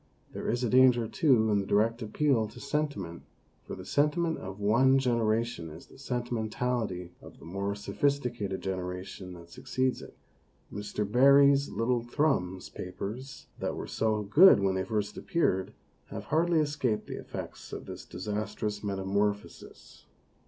There is a danger, too, in the direct appeal to sentiment, for the sentiment of one genera tion is the sentimentality of the more sophis ticated generation that succeeds it. Mr. Barrie's little Thrums papers, that were so good when they first appeared, have hardly escaped the effects of this disastrous meta morphosis.